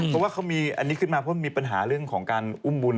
เพราะว่าเขามีอันนี้ขึ้นมาเพราะมันมีปัญหาเรื่องของการอุ้มบุญ